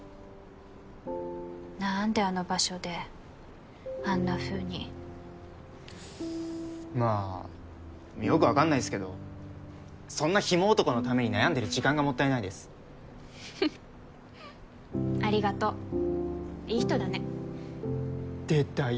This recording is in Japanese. なんであの場所であんなふうにまあよく分かんないっすけどそんなヒモ男のために悩んでる時間がもったいないですフフッありがとういい人だね出たいい